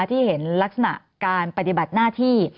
ที่เห็นลักษณะการปฏิบัติหน้าที่